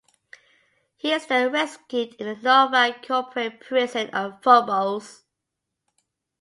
He is then rescued in the Novak Corporate Prison on Phobos.